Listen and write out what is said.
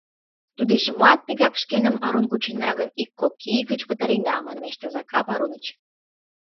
«Тудыжымат, тыгак шкенам арун кучена гын, ик-кок ий гыч пытарена», — манеш Тазакап Аруныч.